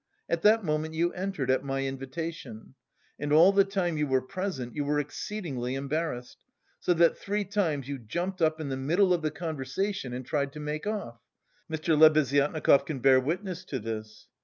At that moment you entered (at my invitation) and all the time you were present you were exceedingly embarrassed; so that three times you jumped up in the middle of the conversation and tried to make off. Mr. Lebeziatnikov can bear witness to this.